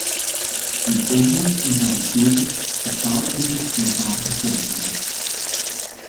Een oorlog kan daarentegen totaal onvoorspelbare gevolgen hebben.